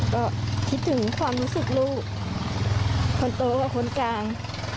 ก็คิดถึงความรู้สึกลูกคนโตกับคนกลาง